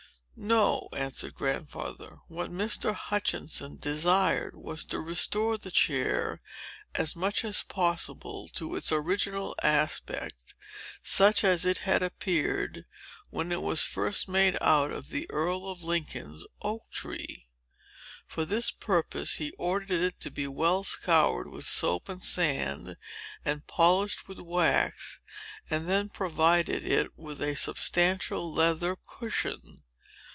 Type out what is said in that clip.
"No," answered Grandfather. "What Mr. Hutchinson desired was to restore the chair, as much as possible, to its original aspect, such as it had appeared, when it was first made out of the Earl of Lincoln's oak tree. For this purpose he ordered it to be well scoured with soap and sand and polished with wax, and then provided it with a substantial leather cushion.